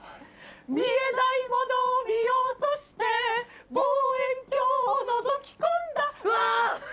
見えないモノを見ようとして望遠鏡を覗き込んだうわ！